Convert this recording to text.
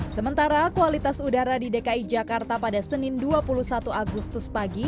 sementara kualitas udara di dki jakarta pada senin dua puluh satu agustus pagi